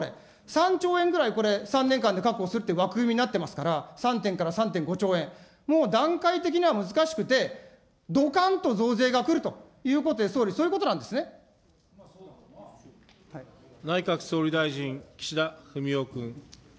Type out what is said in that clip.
３兆円ぐらいこれ、３年間で確保するっていう枠組みになってますから、３．から３．５兆円、もう段階的には難しくて、どかんと増税がくるということ、総理、内閣総理大臣、岸田文雄君。